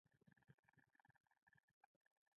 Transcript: ما ورته وویل: که یې زړه وغوښت، نو ځانګړي خبرې ورته کوي.